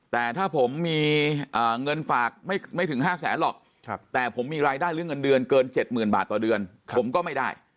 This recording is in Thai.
แต่ถ้าผมมีเงินฝากไม่ถึง๕แสนหรอกแต่ผมมีรายได้หรือเงินเดือนเกิน๗๐๐๐บาทต่อเดือนผมก็ไม่ได้